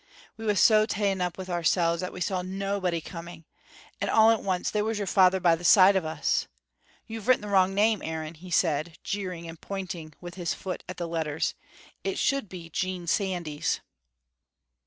We was so ta'en up with oursel's that we saw nobody coming, and all at once there was your father by the side o' us! 'You've written the wrong name, Aaron,' he said, jeering and pointing with his foot at the letters; 'it should be Jean Sandys.'